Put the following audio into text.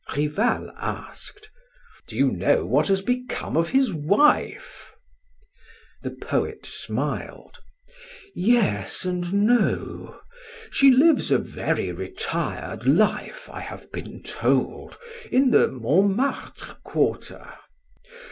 Rival asked: "Do you know what has become of his wife?" The poet smiled. "Yes and no she lives a very retired life, I have been told, in the Montmartre quarter.